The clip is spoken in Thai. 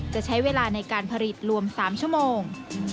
จะใช้เวลาในการผลิตรวม๓ชั่วโมง